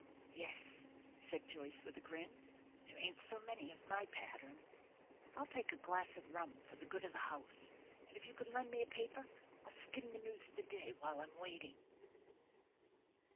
"Yes," said Joyce, with a grin; "there ain't so many of my pattern. I'll take a glass of rum for the good of the house; and if you can lend me a paper, I'll skim the news of the day while I'm waiting."